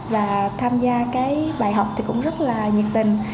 và tham gia cái bài học thì cũng rất là nhiệt tình